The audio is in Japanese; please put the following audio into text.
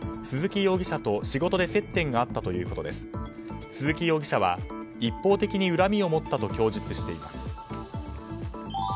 鈴木容疑者は一方的に恨みを持ったと供述しています。